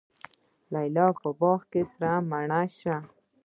لیلی په باغ کي سره مڼه شوه